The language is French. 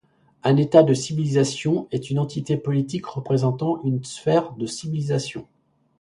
Un État de civilisation est une entité politique représentant une sphère de civilisation.